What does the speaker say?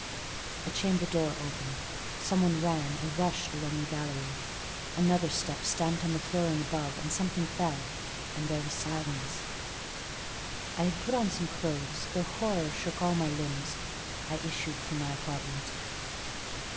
A chamber door opened: some one ran, or rushed, along the gallery. Another step stamped on the flooring above and something fell; and there was silence. I had put on some clothes, though horror shook all my limbs; I issued from my apartment.